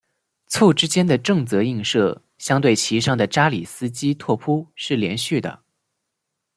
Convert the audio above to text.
簇之间的正则映射相对其上的扎里斯基拓扑是连续的。